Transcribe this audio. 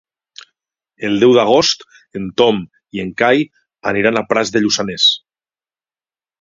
El deu d'agost en Tom i en Cai aniran a Prats de Lluçanès.